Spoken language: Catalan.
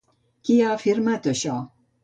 Qui ha afirmat això?